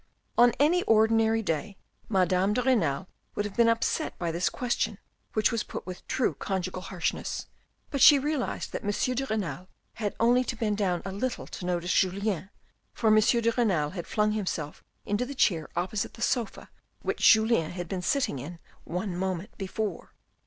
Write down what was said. On any ordinary day Madame de Renal would have been upset by this question which was put with true conjugal harshness ; but she realised that M. de Renal had only to bend down a little to notice Julien, for M. de Renal had flung himself into the chair opposite the sofa which Julien had been sitting in one moment before.